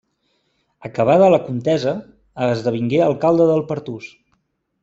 Acabada la contesa, esdevingué alcalde del Pertús.